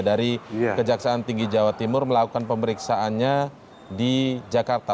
dari kejaksaan tinggi jawa timur melakukan pemeriksaannya di jakarta